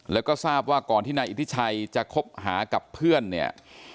แล้วก็ทราบว่าก่อนที่นายอิทธิชัยจะคบหากับเพื่อนเนี่ย